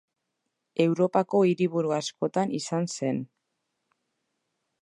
Europako hiriburu askotan izan zen.